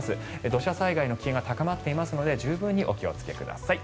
土砂災害の危険が高まっていますので十分にお気をつけください。